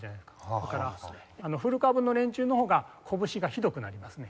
だから古株の連中の方がこぶしがひどくなりますね。